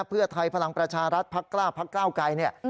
เพื่อไทยพลังประชารัฐพรรคกล้าวพรรคกล้าวไกร